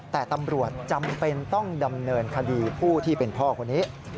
แต่ตำรวจจำเป็นต้องดำเนินคดีผู้ที่เป็นพ่อคนนี้